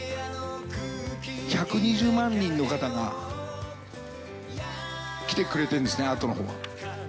１２０万人の方が来てくれてるんですね、アートのほうは。